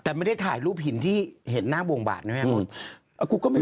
แต่ไม่ได้ถ่ายรูปหินที่เห็นหน้าบวงบาดนะครับ